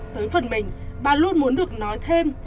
tới phần mình bà luôn muốn được nói thêm